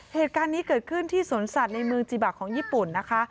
เหตุการณ์นี้เกิดขึ้นที่สวนสัตว์ในเมืองจิบะของญี่ปุ่นนะคะ